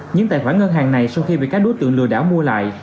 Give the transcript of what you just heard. những tài khoản ngân hàng này sau khi bị các đối tượng lừa đảo mua lại